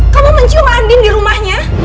kamu mencium andin di rumahnya